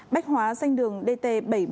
bốn bách hóa xanh đường dt bảy trăm bốn mươi ba